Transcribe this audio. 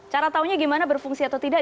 cara tahunya gimana berfungsi atau tidak